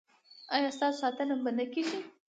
ایا ستاسو ساتنه به نه کیږي؟